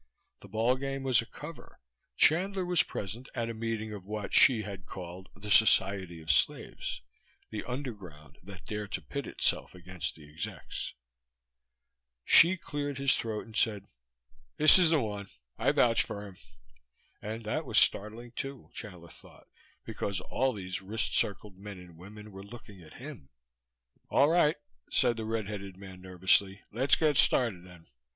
The ball game was a cover. Chandler was present at a meeting of what Hsi had called The Society of Slaves, the underground that dared to pit itself against the execs. Hsi cleared his throat and said, "This is the one. I vouch for him." And that was startling too, Chandler thought, because all these wrist circled men and women were looking at him. "All right," said the red headed man nervously, "let's get started then.